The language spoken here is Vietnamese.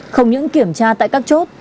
không những kiểm tra tại các chốt